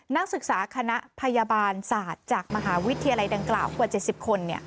นักศึกษาคณะพยาบาลศาสตร์จากมหาวิทยาลัยดังกล่าวกว่า๗๐คน